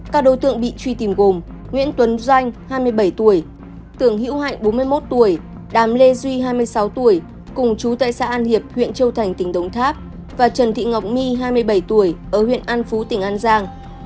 các đối tượng bị truy tìm gồm nguyễn tuấn doanh tưởng hữu hạnh đàm lê duy cùng chú tại xã an hiệp huyện châu thành tỉnh đống tháp và trần thị ngọc my ở huyện an phú tỉnh an giang